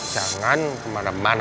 jangan kemana mana pak nara